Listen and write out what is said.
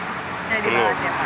tidak dibahas ya pak